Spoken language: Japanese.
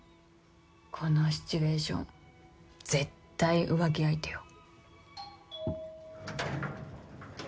このシチュエーション絶対浮気相手よ。